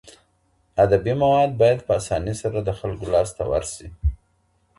ادبي مواد باید په اسانۍ سره د خلکو لاس ته ورشي.